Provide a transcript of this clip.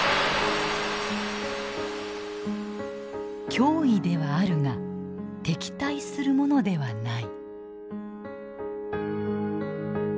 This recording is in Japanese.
「脅威」ではあるが「敵対」するものではない。